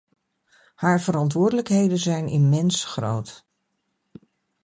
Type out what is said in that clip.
Haar verantwoordelijkheden zijn immens groot.